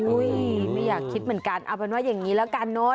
ไม่อยากคิดเหมือนกันเอาเป็นว่าอย่างนี้แล้วกันเนอะ